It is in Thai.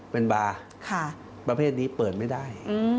เป็นบาร์ประเภทนี้เปิดไม่ได้